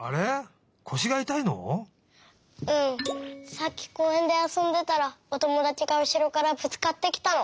さっきこうえんであそんでたらおともだちがうしろからぶつかってきたの。